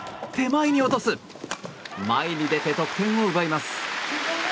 前に出て得点を奪います。